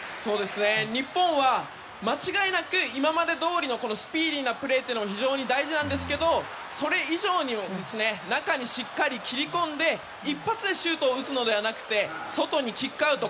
日本は間違いなく今までどおりのスピーディーなプレーも大事なんですけどそれ以上に中にしっかり切り込んで１発でシュートを打つのではなくて外にキックアウト。